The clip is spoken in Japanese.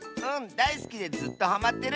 だいすきでずっとハマってる。